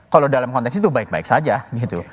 kalau dalam konteks itu baik baik saja gitu